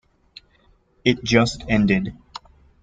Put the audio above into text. It just ended.